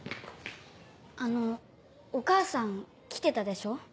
あのお母さん来てたでしょ。